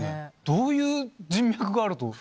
どういう人脈があると？